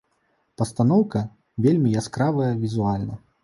Пастаноўка вельмі яскравая візуальна.